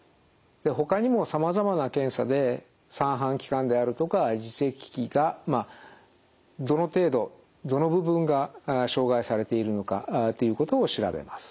ほかにもさまざまな検査で三半規管であるとか耳石器がどの程度どの部分が障害されているのかということを調べます。